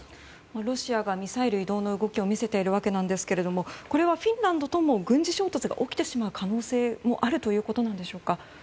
ロシアがミサイル移動の動きを見せているわけですがこれはフィンランドとも軍事衝突が起きてしまう可能性もあるということでしょうか。